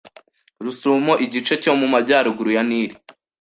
Rusumo igice cyo mu majyaruguru ya Nili